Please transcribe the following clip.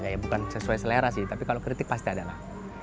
ya bukan sesuai selera sih tapi kalau kritik pasti adalah